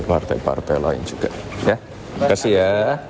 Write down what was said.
ya partai partai lain juga ya terima kasih ya